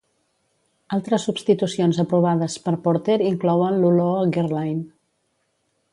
Altres substitucions aprovades per Porter inclouen l'olor a Guerlain.